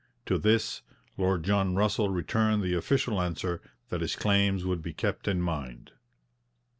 To this Lord John Russell returned the official answer that his claims would be kept in mind.